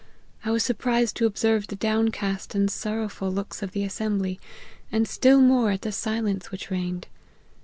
I was surprised to observe the downcast and sorrowful looks of the assembly, and still more at the silence which reigned.